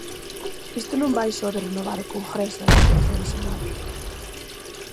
Isto non vai só de renovar o Congreso e un terzo do Senado.